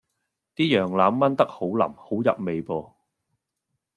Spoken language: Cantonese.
啲羊腩炆得好腍好入味噃